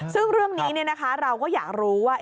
ซึ่งเรื่องนี้เราก็อยากรู้ว่า